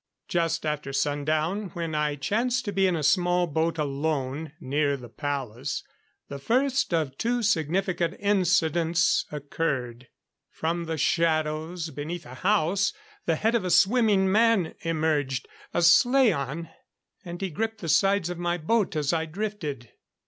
Just after sundown, when I chanced to be in a small boat alone, near the palace, the first of two significant incidents occurred. From the shadows beneath a house, the head of a swimming man emerged. A slaan, and he gripped the sides of my boat as I drifted.